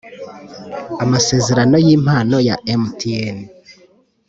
Amasezerano y impano ya mtn